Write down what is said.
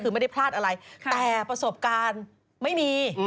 คือไม่ได้พลาดอะไรแต่ประสบการณ์ไม่มี